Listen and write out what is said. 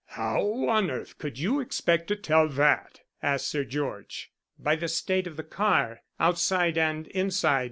"How on earth could you expect to tell that?" asked Sir George. "By the state of the car outside and inside.